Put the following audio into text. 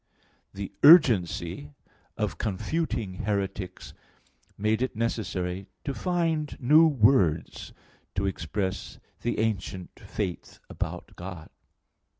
The urgency of confuting heretics made it necessary to find new words to express the ancient faith about God.